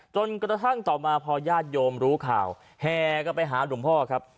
จนกระทั่งต่อมาพอญาติโยมรู้ข่าวแห่กลับไปหาหลวงพ่อครับ